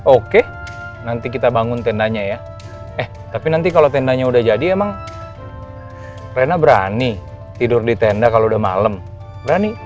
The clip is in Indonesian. oke nanti kita bangun tendanya ya eh tapi nanti kalau tendanya udah jadi emang rena berani tidur di tenda kalau udah malem berani